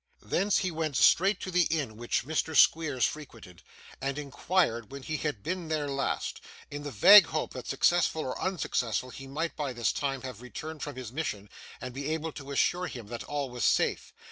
Thence, he went straight to the inn which Mr. Squeers frequented, and inquired when he had been there last; in the vague hope that, successful or unsuccessful, he might, by this time, have returned from his mission and be able to assure him that all was safe.